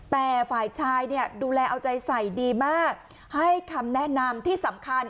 แต่ฝ่ายชายเนี่ยดูแลเอาใจใส่ดีมากให้คำแนะนำที่สำคัญ